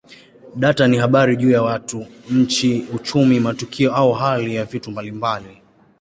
Data ni habari juu ya watu, nchi, uchumi, matukio au hali ya vitu mbalimbali.